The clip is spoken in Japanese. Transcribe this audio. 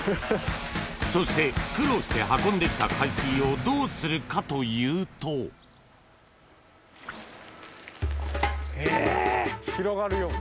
そして苦労して運んで来た海水をどうするかというとえ⁉広がるように。